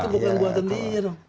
itu bukan buatan diri